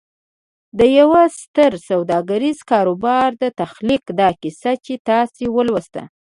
د يوه ستر سوداګريز کاروبار د تخليق دا کيسه چې تاسې ولوسته.